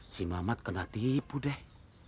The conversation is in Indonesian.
si mamat kena tipu deh